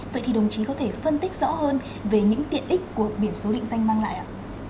vậy thì đồng chí có thể phân tích rõ hơn về những tiện ích của biển số định danh mang lại ạ